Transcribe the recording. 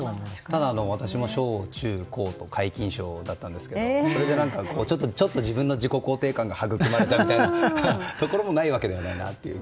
ただ私も小中高と皆勤賞だったんですけどそれでちょっと自分の自己肯定感が育まれたみたいなところもないわけではないな